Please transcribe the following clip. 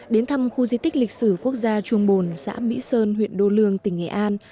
đến thăm khu di tích lịch sử quốc gia trung bồn xã mỹ sơn huyện đô lương tỉnh nghệ an